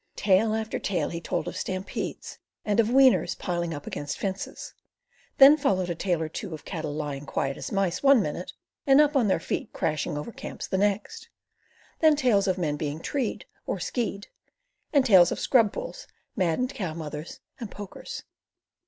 Tale after tale he told of stampedes and of weaners piling up against fences. Then followed a tale or two of cattle Iying quiet as mice one minute, and up on their feet crashing over camps the next, then tales of men being "treed" or "skied," and tales of scrub bulls, maddened cow mothers, and "pokers."